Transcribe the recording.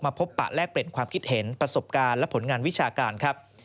พบปะแลกเปลี่ยนความคิดเห็นประสบการณ์และผลงานวิชาการครับ